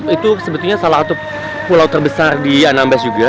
itu sebetulnya salah satu pulau terbesar di anambas juga